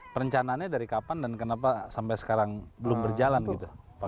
perencanaannya dari kapan dan kenapa sampai sekarang belum berjalan gitu